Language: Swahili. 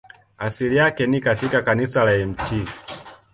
Asili yake ni katika kanisa la Mt.